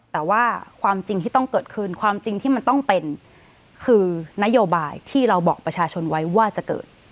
แต่ว่าความจริงที่ต้องเกิดขึ้นความจริงที่มันต้องเป็นคือนโยบายที่เราบอกประชาชนไว้ว่าจะเกิด